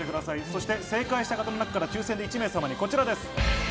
そして正解した方の中から抽選で１名様にこちらです。